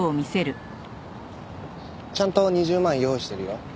ちゃんと２０万用意してるよ。